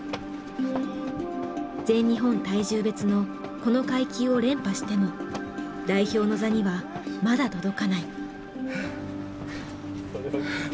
全日本体重別のこの階級を連覇しても代表の座にはまだ届かない。